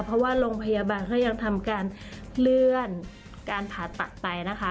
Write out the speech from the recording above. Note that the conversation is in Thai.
เพราะว่าโรงพยาบาลเขายังทำการเลื่อนการผ่าตัดไปนะคะ